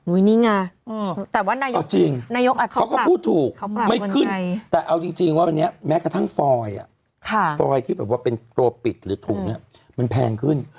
อุ้ยนี่ไงแต่ว่านายกก็พูดถูกไม่ขึ้นแต่เอาจริงว่าแม้กระทั่งฟอยที่เป็นตัวปิดหรือถุงมันแพงขึ้น